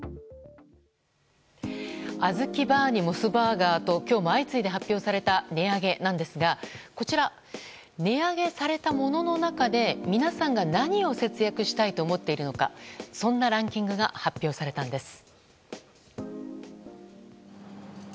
あずきバーにモスバーガーと今日も相次いで発表された値上げなんですが値上げされたものの中で皆さんが何を節約したいと思っているのかそんなランキングが発表されたんです。